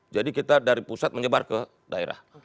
jadi kita dari pusat menyebar ke daerah